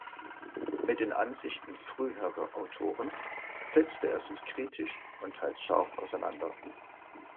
Mit den Ansichten früherer Autoren setzte er sich kritisch und teils scharf auseinander.